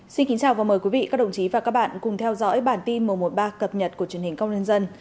xin kính chào và mời quý vị các đồng chí và các bạn cùng theo dõi bản tin một trăm một mươi ba cập nhật của truyền hình công an nhân dân